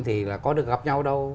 thì có được gặp nhau đâu